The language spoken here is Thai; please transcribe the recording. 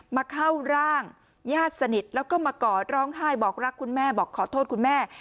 มาเข้าร่างญาติสนิทแล้วก็มากอดร้องไห้บอกรักคุณแม่บอกขอโทษคุณแม่